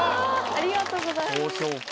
ありがとうございます。